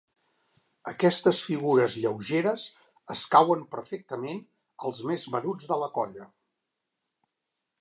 Aquestes figures lleugeres escauen perfectament als més menuts de la colla.